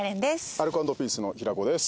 アルコ＆ピースの平子です。